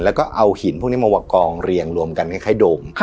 แล้วก็เอาหินพวกนี้มาว่ากองเรียงรวมกันคล้ายโดม